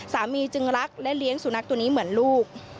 จึงรักและเลี้ยงสุนัขตัวนี้เหมือนลูก